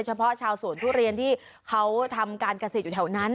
เฉพาะชาวสวนทุเรียนที่เขาทำการเกษตรอยู่แถวนั้น